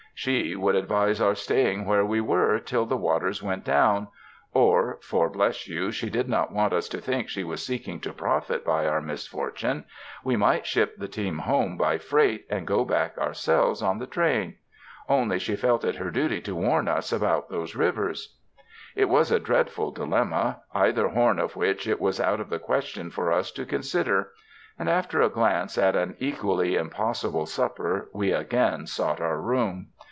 She would advise our staying where we were till the waters went down; or — for, bless you, she did not want us to think she was seeking to protit by our misfortune — we might ship the team home by freight and go back ourselves on the train. Only she felt it her duty to warn us about those rivers. It was a dreadful dilemma, either horn of which it was out of the question for us to consider; and after a glance at an equally impossible supper, we again sought our room.